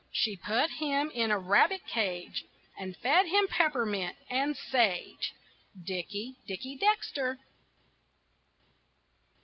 She put him in a rabbit cage And fed him peppermint and sage Dickie, Dickie Dexter.